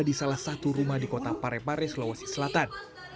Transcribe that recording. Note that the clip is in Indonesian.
di salah satu rumah di kota parepare sulawesi selatan